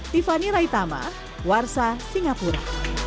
tiffany raitama warsa singapura